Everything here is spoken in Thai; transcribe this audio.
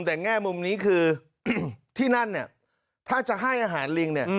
แต่แง่มุมนี้คือที่นั่นเนี่ยถ้าจะให้อาหารลิงเนี่ย